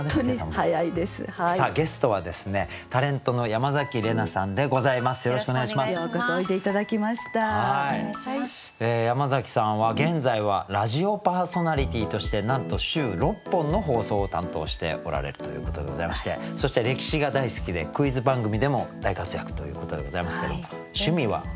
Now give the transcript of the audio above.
山崎さんは現在はラジオパーソナリティーとしてなんと週６本の放送を担当しておられるということでございましてそして歴史が大好きでクイズ番組でも大活躍ということでございますけども趣味は勉強？